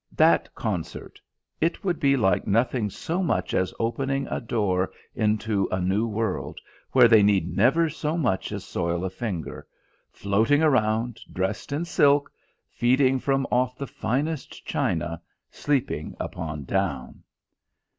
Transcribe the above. That concert! It would be like nothing so much as opening a door into a new world, where they need never so much as soil a finger: floating around, dressed in silk, feeding from off the finest china, sleeping upon down.